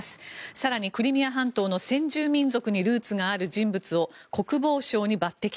更にクリミア半島の先住民族にルーツがある人物を国防相に抜てき。